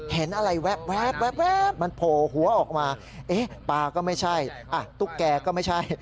เห็นอะไรแว๊บมันโผล่หัวออกมาปลาก็ไม่ใช่ตุ๊กแกก็ไม่ใช่